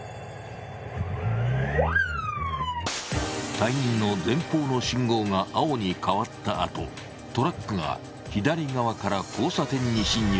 隊員の前方の信号が青に変わったあとトラックが左側から交差点に進入。